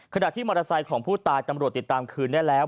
ขณะที่มอเตอร์ไซค์ของผู้ตายตำรวจติดตามคืนได้แล้ว